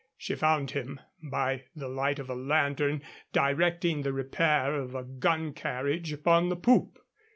She found him, by the light of a lantern, directing the repair of a gun carriage upon the poop.